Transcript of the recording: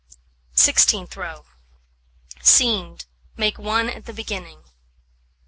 Sixteenth row: Seamed, make 1 at the beginning.